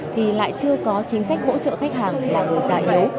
thì lại chưa có chính sách hỗ trợ khách hàng là người già yếu